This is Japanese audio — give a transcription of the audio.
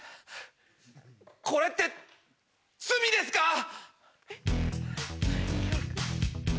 これって罪ですか